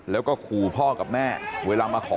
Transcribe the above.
แล้วเรามีให้มั้ยพ่อ